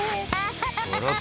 ハハハハッ！